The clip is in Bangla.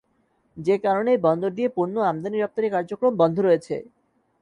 যে কারণে এ বন্দর দিয়ে পণ্য আমদানি রপ্তানি কার্যক্রম বন্ধ রয়েছে।